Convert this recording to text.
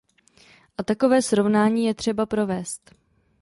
A takové srovnání je třeba provést.